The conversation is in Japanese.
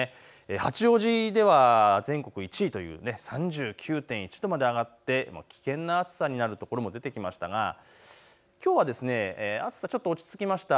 八王子では全国１位という３９．１度まで上がって危険な暑さになるところも出てきましたがきょうは暑さ、ちょっと落ち着きました。